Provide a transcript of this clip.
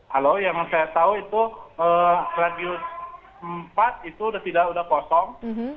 halo yang saya tahu itu radio empat itu sudah tidak sudah kosong